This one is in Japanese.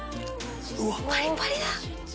パリパリだ！